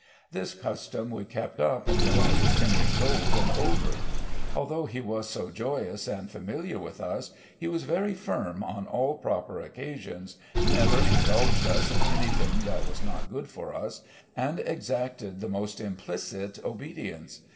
This custom we kept up until I was ten years old and over. Although he was so joy ous and familiar with us, he was very firm on all proper occasions, never indulged us in an3rthing that was not good for us, and exacted the most implicit obedience.